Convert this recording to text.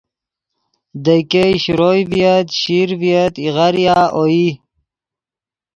دے ګئے شروئے ڤییت چشیر ڤییت ایغاریا اوئی